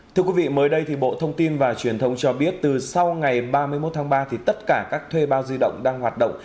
thưa quý vị mới đây bộ thông tin và truyền thông cho biết từ sau ngày ba mươi một tháng ba tất cả các thuê bao di động đang hoạt động